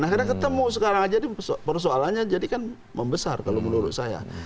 nah karena ketemu sekarang aja persoalannya jadi kan membesar kalau menurut saya